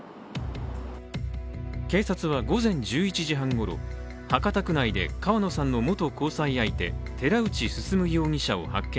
警察は午前１１時半ごろ、博多区内で川野さんの元交際相手、寺内容疑者を発見。